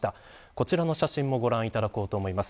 こちらの写真もご覧いただこうと思います。